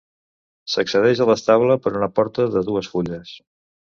S'accedeix a l'estable per una porta de dues fulles.